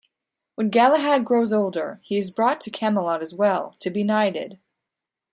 When Galahad grows older, he is brought to Camelot as well, to be knighted.